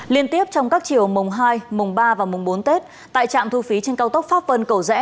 liên tiếp trong các chiều mùng hai mùng ba và mùng bốn tết tại trạm thu phí trên cao tốc pháp vân cầu rẽ